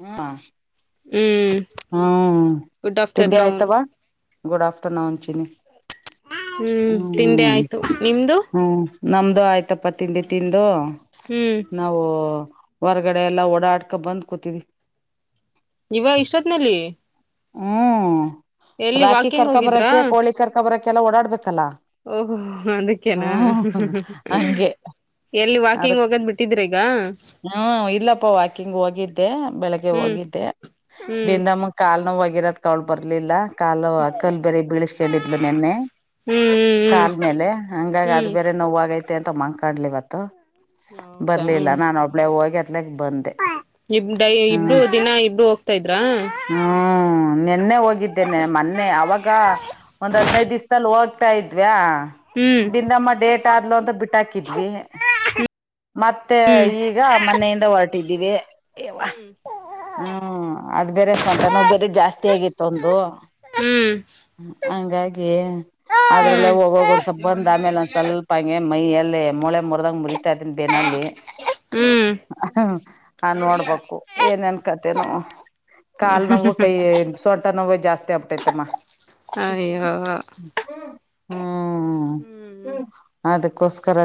ಹ್ಮ ಹ್ಮ್ ಹ್ಮ ಗುಡ್ ತಿಂಡಿ ಆಫ್ಟರ್ನೂನ್ ಆಯ್ತವಾ ಗುಡ್ ಆಫ್ಟರ್ನೂನ್ ಚಿನ್ನಿ ತಿಂಡಿ ಹ್ಮ್. ಆಯ್ತು ನಿಮ್ದು ಹ್ಮ್ ನಮ್ದು ಆಯ್ತು. ಆಯ್ತಪ್ಪ ತಿಂಡಿ ತಿಂದು ಹ್ಮ್ ನಾವು ಹೊರಗಡೆ ಎಲ್ಲಾ ಓಡಾಡ್ಕೊಂಡ ಬಂದ ಕೂತಿದೀವಿ ಇವ ಇಷ್ಟೊತ್ನಲ್ಲಿ ಹ್ಮ್ ಎಲ್ಲಿ ರಾಖಿ ವಾಕಿಂಗ್ ಕರ್ಕ ಹೋಗಿದ್ರಾ ಬರಕ್ಕೆ ಕೋಳಿ ಕರ್ಕ ಬರಕ್ಕೆ ಎಲ್ಲ ಓಡಾಡ್ಬೇಕಲ್ಲ. ಓಹೋ ಅದಕ್ಕೇನಾ ಹ್ಮ ಹಂಗೆ ಎಲ್ಲಿ [inaudible] ವಾಕಿಂಗ್ ಅದಕ್ಕ ಹೋಗೋದ್ ಬಿಟ್ಟಿದ್ರ ಈಗ [inaudible] ಹ್ಮ್ ಇಲ್ಲಪ್ಪಾ ವಾಕಿಂಗ್ ಹೋಗಿದ್ದೆ ಬೆಳಗ್ಗೆ ಹ್ಮ್ ಹೋಗಿದ್ದೆ ಹ್ಮ್ ಬಿಂದಮ್ಮ ಕಾಲ ಕಾಲ ನೋವುವಾಗಿರೋದಕ್ಕೆ ಅವಳ ಬರ್ಲಿಲ್ಲ ಕಾಲು ಆ ಕಲ್ಲ ಬೇರೆ ಬೀಳ್ಸ್ಕೊಂಡಿದ್ಲು ನೆನ್ನೆ ಹ್ಮ್ ಹ್ಮ್ ಕಾಲ ಮೇಲೆ ಹಂಗಾಗಿ ಅದು ಹ್ಮ್ ಬೇರೆ ನೋವಾಗ. ಐತೆ ಅಂತ ಮಂಕಾಡ್ಲಿವತ್ತು ಬರ್ಲಿಲ್ಲ ನಾನು ಒಬ್ಳೇ ಹೋಗಿ ಅತ್ಲಗ್ ಬಂದೆ ಪ ಇಬ್ ಡೈ ಇಬ್ರು ಹ್ಮ್ ದಿನ ಇಬ್ರು ಹೋಗ್ತಾ ಇದ್ರ ನೇ ಹೋ ಇದ್ದೇನೆ ಮೊನ್ನೆ ಅವಾಗ ಒಂದ್ ಹದ್ನೈದು ದಿವ್ಸದಲ್ಲಿ ಹೋಗ್ ತಾ ಇದ್ವಾ ಹ್ಮ್ ಬಿಂದಮ್ಮ ಡೇಟ್ ಆದ್ಲು ಅಂತ ಬಿಟ್ಟ ಹಾಕಿದ್ವಿ ಮತ್ತೆ ಹ್ಮ್ ಈಗ ಮನೆಯಿಂದ ಹೊರಟಿದೀವಿ ಯವ್ವ ಹ್ಮ್ ಹ್ಮ್ ಅದು ಬೇರೆ ಸೊಂಟ ದನ ಬೇರೆ ಜಾಸ್ತಿ ಆಗಿತ್ತು ಒಂದು ಹ್ಮ್ ಹಂಗಾಗಿ ಹೇ ಅದ್ರಲ್ಲೇ ಹ್ಮ್ ಹೋಗಾಗ ಒಂದ ಸ್ವಲ್ಪ ಬಂದ್ ಆಮೇಲೆ ಒ ಸ್ವಲ್ಪ ಹೇ ಮೈಯಲ್ಲೇ ಮೂಳೆ ಮುರದಂಗ ಮುರಿತಾದನ್ ಬೇನಲ್ಲಿ [inaudible] ಹ್ಮ್ ಹ ನೋಡ್ಬೇಕು ಏನ ಅನ್ಕತೇನು ಕಾಲ್ ನೋವು ಕೈ ಸೊ ತರ್ಣವೆ ಜಾಸ್ತಿ ಆಗ್ಬಟ್ಟೈತಮ್ಮ ಅಯ್ಯೋ ಹ್ಮ್ ಹ್ಮ್ ಹ್ಮ ಅದಕ್ಕೋಸ್ಕರ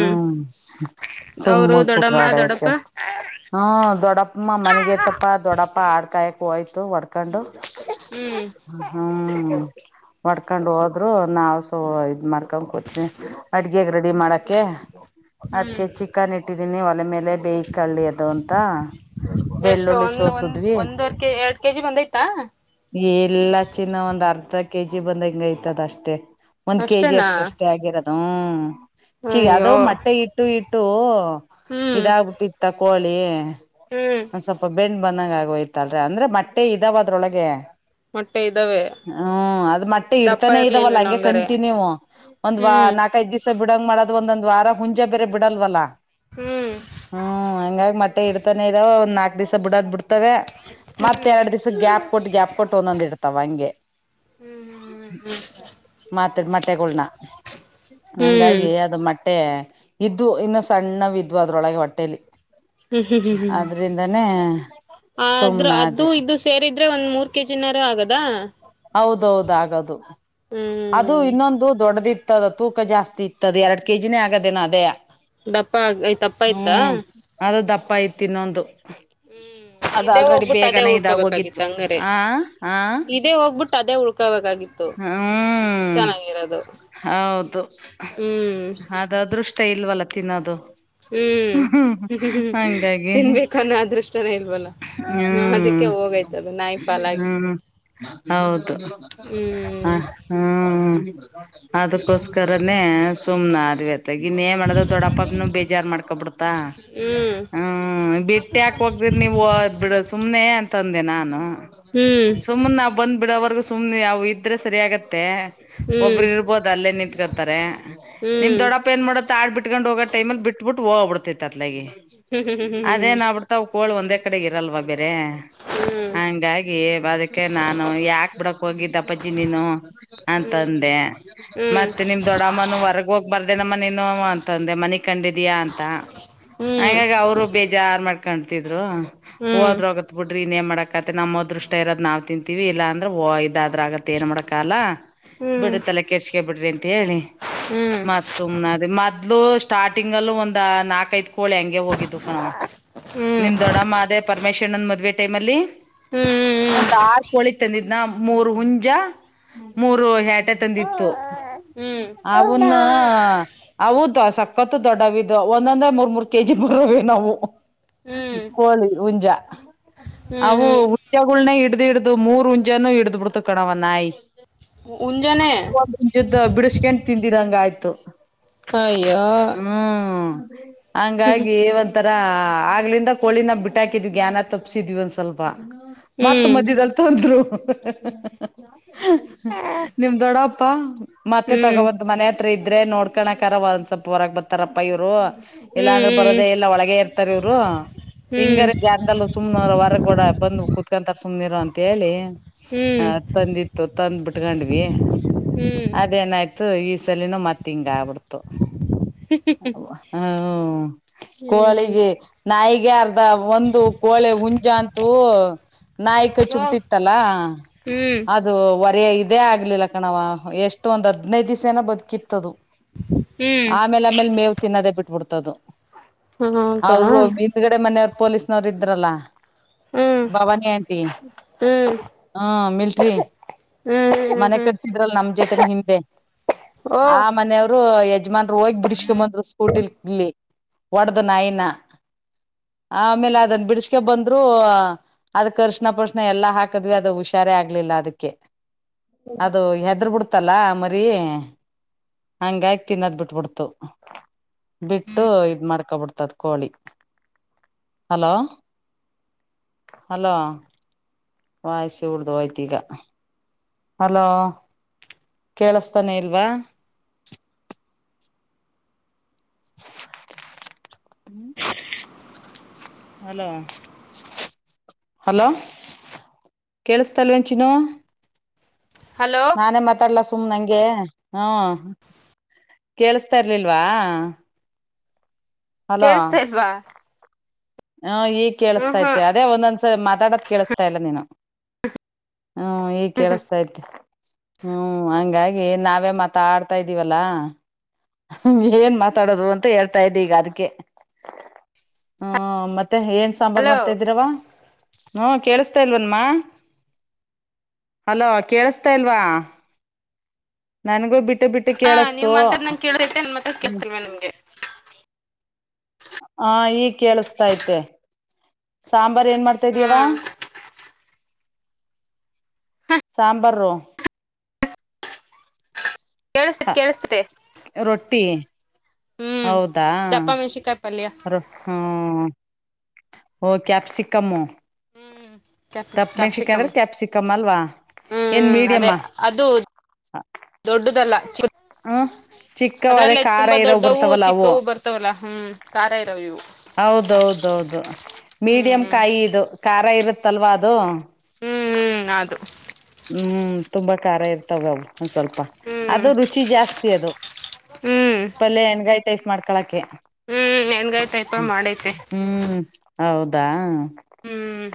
ಹ್ಮ ಅವರು ಸುಮ್ಮ ದೊಡ್ಡಮ್ಮ ಕುಡತ್ ರೇಟ್ ದೊಡ್ಡಪ್ಪ ಜಾಸ್ತಿ ಹ ದೊಡ್ಡಪ್ಪ ಮನಗ ತ್ತಪ್ಪ ದೊಡ್ಡಪ್ಪ ಆಡ್ ಕಾಯಕ್ ಹೋಯ್ತ [unintelligible] ಕಂಡು ಹ್ಮ್ ಹ್ಮ್ ಹೊಡ್ಕೊಂಡ್ ಹೋದ್ರು ನ ಸೊ ಇದ್ ಮಾರ್ ಅಡ್ಗೆಾಗ ರೆಡಿ ಮಾಡಕ್ಕೆ ಹ್ಮ್ ಅದಕ್ಕೆ ಚಿಕನ್ ಇಟ್ಟ ದಿನೇ ಒಲೆ ಮೇಲೆ ಬೇಕಳ್ಳಿ ಅದು ಅಂತ ಎಷ್ಟು ಬೆಳ್ಳುಳ್ಳಿ ಒಂದ್ ಒಂದ್ ಸೋಸದ್ವಿ ಒಂದವರ್ ಕೆ ಎರಡ್ ಕೆಜಿ ಬಂದೈತಾ ಎಲ್ಲ ಚಿನ್ನ ಒಂದ್ ಅರ್ಧಕ್ಕೆ ಕೆ ಜಿ ಬಂದಗೆಯ್ತದ ಅಷ್ಟೇ ಒಂದ್ ಕೆ ಜಿ ಅಷ್ಟೇನಾ ಅಷ್ಟ ಅಷ್ಟೇ ಆಗಿರತ್ತೆ ಹ ಚೀ ಅದು ಅಯ್ಯೋ ಮೊಟ್ಟೆ ಇಟ್ಟು ಇಟ್ಟು ಹ್ಮ್ ಇದಾಗಬಟ್ಟಿತ್ತ ಕೋಳಿ [unintelligible] ಹ್ಮ್ ಹ ಸ್ವಲ್ಪ ಬೆಣ ಬಂದಂಗ ಆಗೋಯ್ತಲ್ರಿ ಅಂದ್ರೆ ಮಟ್ಟೆ ಇದಾವ ಅದ್ರೊಳಗೆ ಮೊಟ್ಟೆ ಇದ್ದಾವೆ ಹ್ಮ್. ಅದ್ ಮಟ್ಟೇ ದಪ್ಪ ಇಡ್ತಾನೆ ಇದಾವಲ್ಲ ಇರ್ಲಿಲ್ವೇನೋ ಹಂಗೆ ಕನ್- ಹಂಗಾರೆ ಒಂದ್ ಹ್ಮ್ ನಾಲ್ಕೈಐ್ ದಿವ್ಸ ಬಿಡಂಗ್ ಮಾಡ ಅದು ಒಂದೊಂದ ವಾರ ಮುಂಜೇ ಬೇರೆ ಬಿಡಲ್ವಲ್ಲ ಹ್ಮ್ ಹ್ಮ್ ಹಂಗಾಗ್ ಮ ಮತ್ತ್ ಇಡ್ತಾನೆ ಇದವ್ ಒಂದು ನಾಕ್ ದಿವಸ ಬಿಡದ್ ಬಿಡ್ ತ್ತವೆ ಮತ್ ಎರಡ್ ದಿವಸಕ್ ಗ್ಯಾಪ್ ಕೊಟ್ಟು ಗ್ಯಾಪ್ ಕೊಟ್ಟು ಒಂದೊಂದ್ ಇಡ್ ತವಂಗೆ ಹ್ಮ್ ಹ್ಮ್ ಹ್ಮ್ ಹ್ ಮಾತಡ್ ಮೊಟ್ಟೆಗೊಳ್ನ ಹ್ಮ್ ಹಂಗಾಗಿ ಅದು ಮಟ್ ಮಟ್ಟೆ ಇದ್ವು ಇನ್ನು ಸಣ್ಣವ್ ಇದ್ವು ಅದ್ರೊಳಗೆ ಹೊಟ್ಟೇಲಿ. ಹ್ಮ್ ಹ್ಮ್ ಹ್ಮ್ ಹ್ಮ್ ಅದ್ರಿಂದಾನೇ ಆದ್ರೂ ಅದು ಸುಮ್ನಾದ್ವಿ ಇದು ಸೇರಿದ್ರೆ ಒಂದ್ ಮೂರ್ ಕೆಜಿನಾರ ಆಗದ್ ದಾ ಹೌದೌದ್ ಆಗದು ಅದು ಹ್ಮ್ ಇನ್ನೊಂದು ದೊಡ್ಡದಿ ಇತ್ತದ ತೂಕ ಜಾಸ್ತಿ ಇತ್ತದೆ ಎರಡ್ ಕೆಜಿನೇ ಆಗದೇನ ಅದೇಯ ದಪ್ಪ ಆಯ್ತಪ್ಪ ಆಯ್ತಾ ಪ್ಪ ಐತಿ ಇನ್ನೊಂದು ಅದು ಇದೇ ಆಲ್ರೆಡಿ ಹೋಗ್ಬಿಟ್ಟು ಅದೇ ಬೇಗನೆ ಇದಾಗ ಹೋಗಿತ್ತು ಉಳ್ಕೋಬೇಕಾಗಿತ್ತು ಹ ಹಾ ತ [unintelligible] ಹ್ಮ್ ಚೆನ್ನಾಗಿರೋದು ಹೌದು ಹ್ಮ್ ಅದುದೃಷ್ಟ ಇಲ್ವಲ್ಲ ತಿನದು ಹ್ಮ್ ಹ್ಮ್ ಹ್ಮ್ ಹಂಗಾಗಿ ತಿನ್ಬೇಕು ಅನ್ನೋ ಅದೃಷ್ಟನೇ ಇಲ್ವಲ್ಲ ಹ ಹ್ಮ್ ಅದಕ್ಕೆ ಹೋಗಯ್ತದು ನಾಯಿ ಪಾಲಾಗಿ ಹ್ಮ್ ಹೌದ್ ಹ ಹ್ಮ್ ಹ್ಮ್ ಅದಕ್ಕೋಸ್ಕರನೇ ಸುಮ್ನೆದವಿ ಗನ್ೇ ಮಾಡದ ದೊಡ್ಡಪ್ಪಗ್ನು ಬೇಜಾರ್ ಮಾಡ್ಕೊ ಬಿಡ್ತಾ ಹ್ಮ್ ಹ್ಮ್ ಬಿಟ್ಟಿ ಹಾಕ್ ಹೋಗ್ದಿ ಹದ್ ಬಿಡ ಸುಮ್ನೆ ಅಂತಂದೆ ನಾನು ಹ್ಮ್ ಸುಮ್ಮನೆ ನಾ ಬಂದ್ ಬಿಡವರ್ಗ ಸುಮ್ಮನೆ ಅವು ಇದ್ರೆ ಸರಿ ಆಗತ್ತೆ ಒಬ್ಬ್ರ ಹ್ಮ್ ಇರ್ಬೋದು ಅಲ್ಲೇ ನಿಂತ್ಕತಾರೆ ನಿಮ್ ಹ್ಮ್ ದೊಡ್ಡಪ್ಪ ಏನ್ ಮಾಡತ್ತ ಆಡ್ ಬಿಟ್ಕೊಂಡ್ ಹೋಗ ಟೈಮಲ್ಲಿ ಬಿಟ್ಬಿಟ್ ಹ್ಬಡ್ುತ್ತ [unintelligible] ಅ ಹ್ಮ್ ಹ್ಮ್ ಹ್ಮ್ ಹ್ಮ್ ಹ್ಮ್ ಹ್ಮ್ ಹ್ಮ್ ಹ್ಮ್ ಹ್ಮ್ ಅದೇ ನ ಬಿಡ್ತ ಒಂದೇ ಕಡೆ ಇರಲ್ವಲ್ ಬೆರೆ ಹಂಗಾಗಿ ಅದಕ್ಕೆ ನಾನು ಯಾಕ್ ಬಿಡಪ್ ಹೋಗಿದ್ದಪ್ಪಜ್ಜಿ ನೀನು ಅಂತಂದೆ ಮತ್ತೆ ನಿಮ್ ದೊಡ್ಡಮ್ಮನ ಹೊರಗ ಹೋಗ್ ಬಂದ್ ಅ ನಮ್ಮೋ ಅಂತಂದೆ [unintelligible] ಕಂಡಿದಯಾ ಅಂತ ಹಂಗಾಗಿ ಅವ್ರು ಬೀಜಾರ್ ಮಾಡ್ಕೊಂ [unintelligible] ರು ಹೂ ಆದ್ [unintelligible] ಇನೆನ್ ಮಾಡಕತ್ತ ನಮ್ಮ ದೃಷ್ಟ ಇರೋದ್ ನಾವ್ ತಿಂತೀವಿ ಇಲ್ಲ [unintelligible] [unintelligible] ದ್ರ ಆಗತ್ತೆ ಏನ್ ಮಾಡಕ ಅಲ್ಲ ಬಿಡ್ರಿ ತಲೆ ಕೆಡ್ಸ್ಕೊಬೇಡ್ರಿ [unintelligible] ಮತ್ ಸುಮ್ನಾದೆ ಮತ್ ಮದ್ಲು ಸ್ಟಾರ್ಟಿಂಗ್ ಅಲ್ಲಿ ಒಂದ್ ನಾಲ್ಕ ಐದು ಕೋಲೆಂಗ್ ಹೋಗಿದ್ದು ಕಣ ಹ್ಮ್ ದೊಡಮ್ಮ ಅದ ಪರಮೇಶ್ವರನ್ ಮದುವೆ ಟೈಮಲ್ಲಿ ಒಂದ ಆರ್ ಕೋಳಿ ತಂದಿದ್ನ ಮೂರು ಹುಂಜ ಮೂರು ಹೆ [unintelligible] ತಂದಿತ್ತು ಹ್ಮ್ ಹ್ಮ್ ಅವನ್ನಾ ಹ ಹೌದು ಸಕ್ಕತ್ ದೊಡ್ಡವಿದ ಒಂದಂದ್ರೆ ಮೂರ್ ಮೂರ್ ಕೆಜಿ ಬರವ್ ಏನೊ ಅವು ಕೋಳಿ ಉಂಜಾ ಹ್ಮ್ ಹ್ಮ್ [unintelligible] ಹಿಡ್ ಹಿಡ್ದು ಮೂರು ಉಂಜಾನೂ ಹಿಡ್ದ್ ಬಿಡ್ತು ಕಣವ ಅ ನಾಯಿ ಉಂಜನೆ ುದ್ದ ಬಿಡಿಸಕೊಂಡ್ ತಿಂದಿದ್ದ ಹಂಗ್ ಆಯ್ತು ಅಯ್ಯೋ ಹ್ಮ್ [unintelligible] ಹ್ಮ್ ಹಂಗಾಗಿ ಒಂಥರ ಹ ಆಗ್ಲಿಂದ ಕೋಳಿನ ಬಿಟ್ಟ ಹಾಕಿದ್ವಿ ಜ್ಞಾನ ತಪ್ಪಸಿದ್ವಿ ಒಂದ್ ಸ್ವಲ್ಪ ಮತ್ ಹ್ಮ್ ಮದ್ಯದಲ್ ತೊಂದ್ರು ಹ ಹ [inaudible] ನಿಮ್ ದೊಡ್ಡಪ್ಪ ಮತ್ತೆ ಹ್ಮ್ ತಗೋಬಂತ್ ಮನೆ ಹಿತ್ ಇದ್ರೆ ನೋಡ್ಕೋಕರ ಒಂದ್ ಸ್ವಲ್ಪ ಹೊರಗೆ ಬರ್ತಾರಪ್ಪ ಇವ್ರು ಎಲ್ಲಾಂದ್ರೆ ಹ್ಮ್ ಬರದೆ ಎಲ್ಲ ಒಳಗೆ ಇರ್ತಾರೆ ಹಾ ಇಂಗರ ಹ್ಮ್ ಜ್ಞಾನದಲ್ಲಿ ಸುಮ್ನ ಹೊರ ಕೂಡ ಕುತ್ಕೊಂತಾರೆ ಸುಮ್ನಿರು ಅಂತ ಹೇಳಿ ಹ ಹ್ಮ್ ತಂದಿತ್ತು ತಂದ್ ಬಿಟ್ಕೊಂಡ್ವಿ ಹ್ಮ್ ಅದೇನಾಯ್ತು ತ್ತು ಈ ಸಲಿನು ಮತ್ ಇಂಗ್ ಆಗ್ಬಿಡ್ತು ಹ್ಮ ಹ್ಮ್ ಕೋಳಿಗೆ ನಾಯಿಗೆ ಅರ್ಧ ಒಂದು ಕೋಳೆ ಉಂಜ ಅಂತು ಓ ನಾಯ್ಕ ಕಚ್ ಓ ಬಿಟ್ಟಿತ್ತಲ್ಲ ಹ್ಮ್ ಅದು ವರೇ ಅದೇ ಆಗ್ಲಿಲ್ಲ ಕಣವ್ವ ಎಷ್ಟು ಒಂದ್ ಅದಿನೈದು ದಿವಸ ಏನ ಬದುಕಿತ್ತು ಅದು ಹ್ಮ್ ಆಮೇಲೆ ಆಮೇಲೆ ಮೇವು ತಿನ್ನದೇ ಬಿಟ್ಟು ಟ್ಬಿಡ್ತದು ಹ್ಮ ಹೌದಾ ಈ ಕಡೆ ಮನೆಯವರು ಪೊಲೀಸ್ನವರು ಇದ್ರಲ್ಲ ಹ್ಮ್ ಭವಾನಿ ಆಂಟಿ ಹ್ಮ್ ಹ್ ಮಿಲ್ಟ್ರಿ ಹ್ಮ್ ಮನೆ ಹ್ಮ್ ಕಟ್ತಿದ್ರಲ್ ನಮ ಜೊತೆನೆ ಹಿಂದೆ ಓ ಆ ಮನೆಯವ್ರು ಯಜಮಾನ್ರು ಹೋಗಿ ಬಿಡಿಸಿಕೊಂಡು ಬಂದರು ಸ್ಕೂಟಿಲಿ ಇಲ್ಲಿ ಒಡ್ದ್ ನಾಯಿನಾ. ಆಮೇಲೆ ಅದನ್ನ ಬಿಡಿಸ್ಕೊ ಬಂದ್ರು ಅ ಅದಕ್ ಅರಿಶಿನ ಪರಿಶಿನಾ ಅರ್ ಎಲ್ಲಾ ಹಾಕದ್ವಿ ಅದ ಹುಷಾರೇ ಆಗ್ಲಿಲ್ಲ ಅದಕ್ಕೆ. ಅದು ಹೆದುರ್ ಬಿಡ್ತ. ಇತ್ತಲ್ಲಾ ಮರಿ ಹಂಗಾಗಿ ತಿನ್ನೋದ್ ಬಿಟ್ಬಿಡ್ತು ಬಿಟ್ಟು ಇದ್ ಮಾಡ್ಕೊಬಿಡ್ತದ್ ಕೋಳಿ. ಹಲೋ ಹಲೋ ವಾಯಸ ಉರ್ದೊಯ್ತ್ ಈಗ. ಹಲೋ ಕೇಳಸ್ತಾನೆ ಇಲ್ವಾ. [inaudible] ಹಲೋ ಹಲೋ ಕೇಳಿಸ್ತಾ ಇಲ್ವೇನ್ ಚಿನ್ನು. ಹಲೋ ನಾನೇ ಮಾತಾಡಲ್ಲ ಸು ಸುಮ್ ನಂಗೆ ಹಾ ಕೇಳಿಸ್ತಾ ಇರ್ಲಿಲ್ವಾ. ಹಲೋ ಕೇಳಿಸ್ತಾ ಇಲ್ವಾ. ಹ ಈಗ ಹ್ಮ ಕೇಳಿಸ್ತ ಹಾ ಐತೆ ಅದೇ ಒಂದೊಂದು ಸ ಮಾತಾಡೋದು ಕೇಳಿಸ್ತಾ ಇಲ್ಲಾ ನೀನು. ಹ್ಮ್ ಈಗ್ ಕೇಳಸತೈತಿ. ಹ್ಮ್ ಹಂಗಾಗಿ ನಾವೇ ಮತ ಆಡ್ತಾ ಇದ್ದೀವಲ್ಲಾ. ಏನ್ ಮಾತಾಡೋದು ಅಂತ ಹೇಳ್ತಾ ಇದ್ದೆ ಈಗ ಅದಕ್ಕೆ ಹ್ಮ ಮತ್ತೆ ಮತ್ತೆ ಹೇನ್ ಸಾಂಬಾರ್ ಹಲೋ ಮಾಡ್ತಾ ಇದೀರವ. ಹ್ಮ ಕೇಳಿಸ್ತಾಯಿಲ್ವೇನ್ಮಾ ಹಲೋ ಕೇಳಿಸ್ತಾ ಇಲ್ವಾ. ನನಗೂ ಬಿಟ್ಟ ಹಾ ನೀವು ಮಾತಾಡದ್ ನಂಗೆ [unintelligible] ಅನ್ [unintelligible] ಕಳ್ಸ್ತಿಲ್ವ ನಿಮಗೆ. ಹಾ ಈಗ್ ಕೇಳಸ್ತಾ ಐತೆ. ಸಾಮ ಬರ್ರೀ ಏನ್ ಮಾಡ್ತಾ ಇದ್ದಿ ಹಾ ಅವ್ವಾ. ಸಾಂಬಾರೋ [inaudible] ಹ ಕೇಳಿಸ್ತತೆ ರೊಟ್ಟಿ ಹ್ಮ್ ಹೌದಾ ದಪ್ಪ ಮೆಣಸಿಕಾಯಿ ಪಲ್ಯ ರೊ ಹ್ಮ. ಓ ಕ್ಯಾಪ್ಸಿಕಮ್ಮು. ಹ್ಮ್ ಕ್ಯಾಪ್ ದಪ್ಪ ಮೆಣಸಿಕಾಯಿ ಕ್ಯಾಪ್ಸಿಕಮ್ ಅಂದ್ರೆ ಕ್ಯಾಪ್ಸಿಕಮ್ ಅಲ್ವಾ ಹ್ಮ್ ಏನ್ ಹ್ಮ್ ಮೀಡಿಯಮ್. ಅದೇ ಅದು ದೊಡ್ಡದಲ್ಲ ಚಿಕ್ಕದು. ಚಿಕ್ಕವ ಅದೇ ಅದ್ರಲ್ಲೇ ಖಾರ ತುಂಬಾ ಇರೋ ದೊಡ್ಡವೂ ಬರ್ತಾವಲ್ಲ ಅವು ಚಿಕ್ಕವು ಬರ್ತವಲ್ಲ ಹ್ಮ್ ಖಾರ ಇರುತ್ತ್ ಇವು. ಹೌದೌದೌದು ಮೀಡಿಯಂ ಹ್ಮ್ ಕಾಯಿ ಇದು ಕಾಯಿ ಖಾರ ಇರುತ್ತಲ್ವಾ ಅದು. ಹ್ಮ್ ಹ್ಮ್ ಅದು. ಹ್ಮ್ ತುಂಬಾ ಖಾರ ಇರ್ತವೆ ಅವು ಓ ಸ್ವಲ್ಪ ಅದು ಹ್ಮ್ ರುಚಿ ಜಾಸ್ತಿ ಅದು ಹ್ಮ್ ಪಲ್ಯ ಎಣಗಾಯಿ ಟೈಸ್ಟ್ ಮಾಡ್ ಕಳಕ್ಕೆ ಹ್ಮ್ ಹೆಂಗಾಯಿ ಟೈಪ ಮಾಡೈತೆ ಹ್ಮ್ ಹೌದಾ ಹ್ಮ್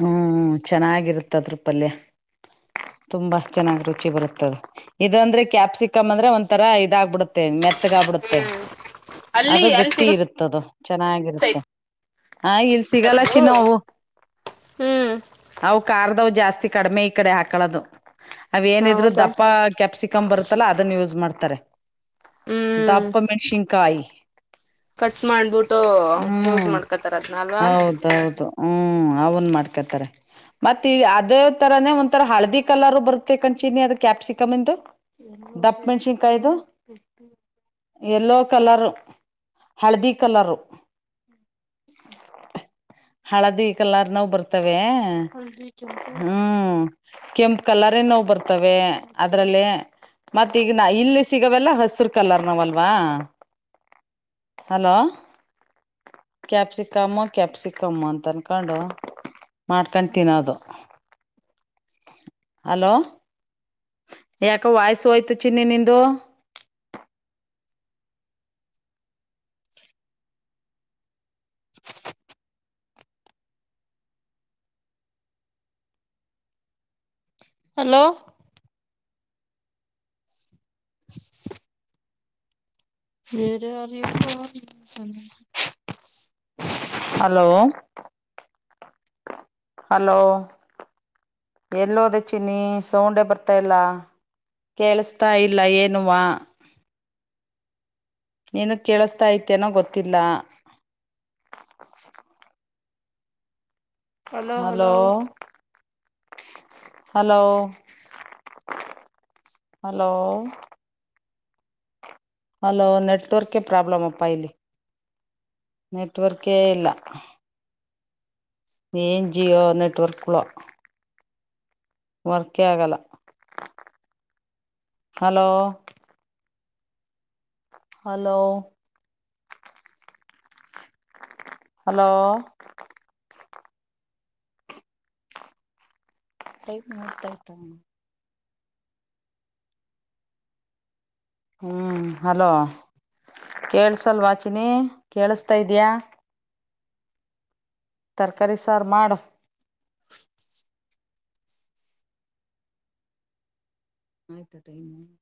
ಹ್ಮ್ ಚೆನ್ನಾಗಿರುತ್ತೆ ಅದ್ರ ಪಲ್ಯ ತುಂಬಾ ಚೆನ್ನಾಗ್ ರುಚಿ ಬರುತ್ತದೆ ಇದ ಅಂದ್ರೆ ಕ್ಯಾಪ್ಸಿಕಮ್ ಅಂದ್ರೆ ಒಂಥರ ಇದಾಗಬಿಡುತ್ತೆ ಮೆತ್ತಗ ಆಗ್ಬಿಡುತ್ತೆ ಹ್ಮ್ ಅಲ್ಲಿ ಅದು ಅಲ್ಲಿ ಗಟ್ಟಿ ಇರುತ್ತದು ಚೆನ್ನಾಗಿರುತ್ತೆ ಸಿಗುತ್ತದು ಆ ಇಲ್ ಸಿಗಲ್ಲ ಚಿನ್ನು ಹ್ಮ್ ಅವು ಕಾರ್ದವೂ ಜಾಸ್ತಿ ಕಡಿಮೆ ಕಡೆ ಹಾಕಳೋದು ಅವೇಏನಿದ್ರು ಹೌದಾ ದಪ್ಪ ಕ್ಯಾಪ್ಸಿಕಮ್ ಬರುತ್ತಲ್ಲ ಅದನ್ ಯೂಸ್ ಮಾಡ್ತಾರೆ ಹ್ಮ್ ದಪ್ಪ ಮೆಣಸಿಕಾಯಿ ಕಟ್ ಮಾಡ್ಬಿಟ್ಟು ಯೂಸ್ ಹ್ಮ್ ಮಾಡ್ಕೊತಾರ ಅದ್ನ ಅಲ್ವಾ ಅವಂದ ಮಾಡ್ಕೊತಾರೆ ಮತ್ತೆ ಈ ಅದೇ ತರಾನೇ ಒನ್ ತರ ಹಳದಿ ಕಲರ್ ಬರುತ್ತೆ ಕಂಡ್ ಚಿನಿ ಅದ ಕ್ಯಾಪ್ಸಿಕಮಂದು ದಪ್ಪ ಮೆಣಸಿನ್ಕಾಯ್ದ ಎಲ್ಲೋ ಕಲರ್ ಹಳದಿ ಕಲರ್ ಹಳದಿ ಕಲರ್ ನಾವ ಬರ್ತವೆ ಹ್ಮ ಕೆಂಪ ಕಲರೇ ನೋವು ಬರ್ತವೇ ಅದ್ರಲ್ಲಿ ಮತ್ತ ಈಗ ನ ಇಲ್ಲಿ ಸಿಗವೆಲ್ಲ ಹಸಿರು ಕಲರ್ ನೋವುಲ್ವಾ ಅಲೋ ಕ್ಯಾಪ್ಸಿಕಮು ಕ್ಯಾಪ್ಸಿಕಮು ಅಂತ ಅನ್ಕೊಂಡು ಮಾಡ್ಕೊಂಡತೀನದು ಹಲೋ ಯಾಕ ವಾಯ್ಸ ಹೋಯ್ತು ಚಿನ್ನಿ ನಿಂದು hello where are you going hello hello ಎಲ್ಲೋದೆ ಚಿನ್ನಿ ಸೌಂಡೆ ಬರ್ತಾ ಇಲ್ಲ ಕೇಳಸ್ತಾ ಇಲ್ಲ ಏನುವಾ ಏನು ಕೇಳಿಸತಾ ಐತನೋ ಗೊತ್ತಿಲ್ಲ ಹಲೋ ಲೋ ಹಲೋ ಹಲೋ ಹಲೋ ನೆಟ್ವರ್ಕೇ ಪ್ರಾಬ್ಲಮಪ್ಪ ಇಲ್ಲಿ ನೆಟ್ವರ್ಕೇ ಇಲ್ಲ ಏನ್ ಜಿಯೋ ನೆಟ್ವರ್ಕ್ ಗೋಳೂ ವರ್ಕೆ ಆಗಲ್ಲ ಹಲೋ ಹಲೋ ಹಲೋ ತ ಆಯ್ತ [inaudible] ಹ್ಮ್ ಹಲೋ ಕೇಳಸಲ್ ವಾ ಚಿನ್ನಿ ಕೇಳಸ್ತಾ ಇದ್ಯಾ ತರಕಾರಿ ಸಾರು ಮಾಡು ಆಯ್ತಾ ಟೈಮ್ [inaudible]